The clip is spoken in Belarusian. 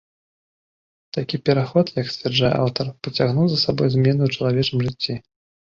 Такі пераход, як сцвярджае аўтар, пацягнуў за сабой змены ў чалавечым жыцці.